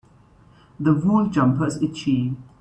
This wool jumper is itchy.